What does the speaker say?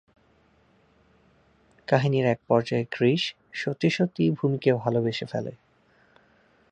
কাহিনির এক পর্যায়ে "কৃষ" সত্যি সত্যিই "ভূমি"কে ভালবেসে ফেলে।